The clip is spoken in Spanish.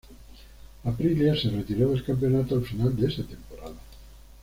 Aprilia se retiró del campeonato al final de esa temporada.